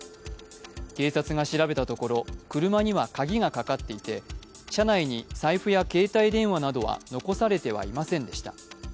警察が調べたところ、車には鍵がかかっていて車内に財布や携帯電話などは残されてはいませんでした。